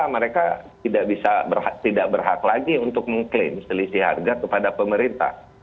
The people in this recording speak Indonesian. mereka tidak berhak lagi untuk mengklaim selisih harga kepada pemerintah